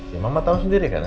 ya mama tahu sendiri kan